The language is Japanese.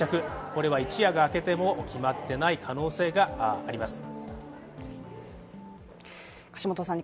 これは一夜が明けても決まってない可能性があります。